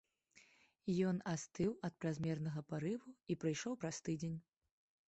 Ён астыў ад празмернага парыву і прыйшоў праз тыдзень.